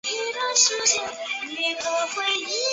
在运动科学主要是由运动医学的美国大学的认可。